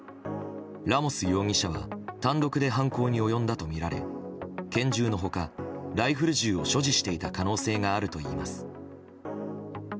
ラモス容疑者は単独で犯行に及んだとみられ拳銃の他、ライフル銃を所持していた可能性があるといいます。